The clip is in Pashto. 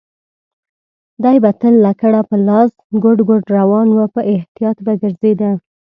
دی به تل لکړه په لاس ګوډ ګوډ روان و، په احتیاط به ګرځېده.